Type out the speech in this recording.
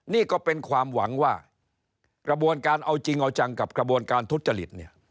นี่ก็เป็นความหวังว่ากระบวนการเอาจริงเอาจังกับกระบวนการทุจริตเนี่ย